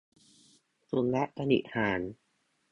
สุนัขกระดิกหาง